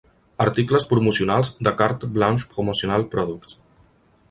Articles promocionals de Carte Blanche Promotional Products.